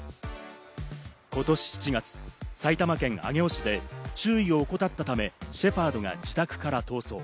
今年７月、埼玉県上尾市で注意を怠ったため、シェパードが自宅から逃走。